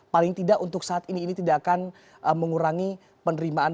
paling tidak untuk saat ini ini tidak akan mengurangi penerimaan